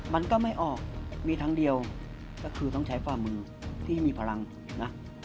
มันก็ไม่ออกมีทั้งเดียวก็คือต้องใช้ฝ่ามือที่ให้มีพลังนะ